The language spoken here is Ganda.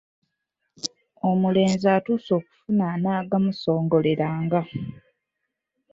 Omulenzi atuuse okufuna anaagamusongoleranga.